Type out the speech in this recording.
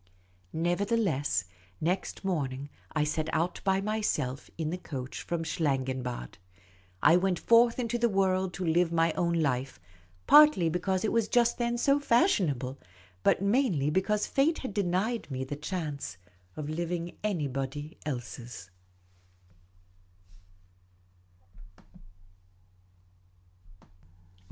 Nevertheless, next morning I set out by myself in the coach from Schlangenbad. I went forth into the world to live my own life, partly because it was just then so fashion able, but mainly because fate had denied me the chance of living anybody else's.